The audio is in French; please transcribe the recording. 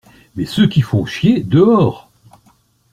Mais ceux qui font chier, dehors!